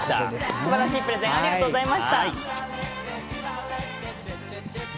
すばらしいプレーありがとうございました。